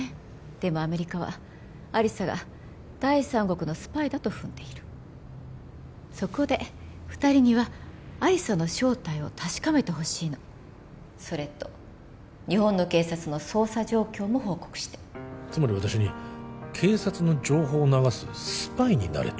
でもアメリカは亜理紗が第三国のスパイだと踏んでいるそこで二人には亜理紗の正体を確かめてほしいのそれと日本の警察の捜査状況も報告してつまり私に警察の情報を流すスパイになれと？